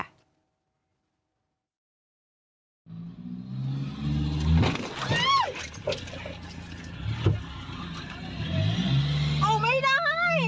เอาไม่ได้